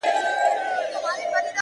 دا مه وايه چي ژوند تر مرگ ښه دی”